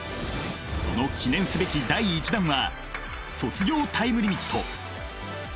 その記念すべき第１弾は「卒業タイムリミット」。